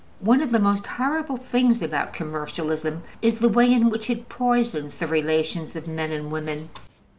One of the most horrible things about commercialism is the way in which it poisons the relations of men and women.